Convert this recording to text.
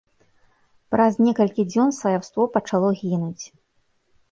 Праз некалькі дзён сваяўство пачало гінуць.